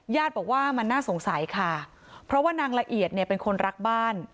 ญาติบอกว่ามันน่าสงสัยค่ะเพราะว่านางละเอียดเนี่ยเป็นคนรักบ้าน